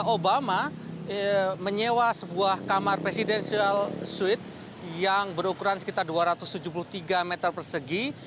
obama menyewa sebuah kamar presidential suite yang berukuran sekitar dua ratus tujuh puluh tiga meter persegi